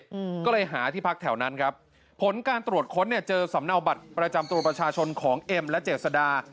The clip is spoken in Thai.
อืมก็เลยหาที่พักแถวนั้นครับผลการตรวจค้นเนี้ยเจอสำเนาบัตรประจำตัวประชาชนของเอ็มและเจษดา